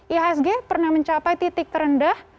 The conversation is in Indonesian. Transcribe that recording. ihsg pernah mencapai titik terendah